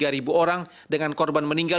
satu ratus tiga ribu orang dengan korban meninggal